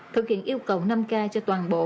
thực hiện yêu cầu năm k cho toàn bộ